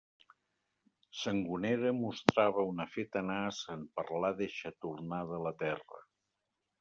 Sangonera mostrava una fe tenaç en parlar d'eixa tornada a la Terra.